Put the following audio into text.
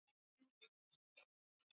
کچالو یو له مشهورو سبزیجاتو څخه دی.